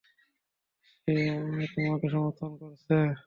কে তোমাকে সমর্থন করছে?